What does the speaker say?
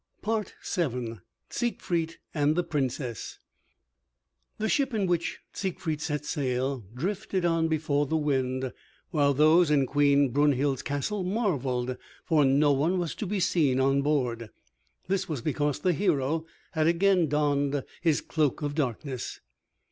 VII SIEGFRIED AND THE PRINCESS The ship in which Siegfried set sail drifted on before the wind, while those in Queen Brunhild's castle marveled, for no one was to be seen on board. This was because the hero had again donned his Cloak of Darkness.